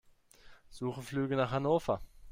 Suche Flüge nach Hannover.